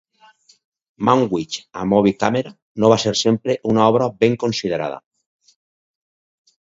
"Man with a Movie Camera" no va ser sempre una obra ben considerada.